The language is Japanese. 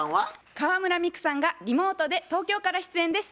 河邑ミクさんがリモートで東京から出演です。